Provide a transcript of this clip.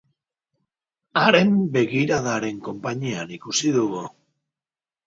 Haren begiradaren konpainian ikusi dugu.